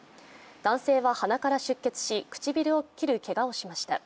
男性は鼻から出血し唇を切るけがをしました。